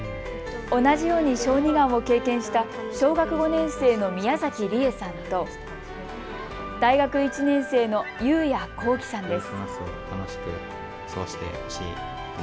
同じように小児がんを経験した小学５年生の宮崎里英さんと大学１年生の祐谷幸樹さんです。